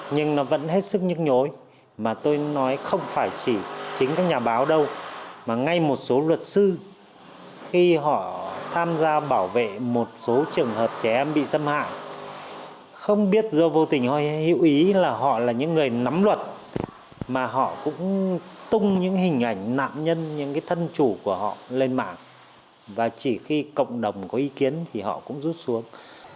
nhưng nó vẫn hết sức nhức nhối mà tôi nói không phải chỉ chính các nhà báo đâu mà ngay một số luật sư khi họ tham gia bảo vệ một số trường hợp trẻ em bị xâm hại không biết do vô tình hoài hiệu ý là họ là những người nắm luật mà họ cũng tung những hình ảnh nạn nhân những cái thân chủ của họ lên mạng và chỉ khi cộng đồng có ý kiến thì họ cũng rút xuống